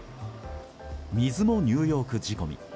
水もニューヨーク仕込み。